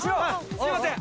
すいません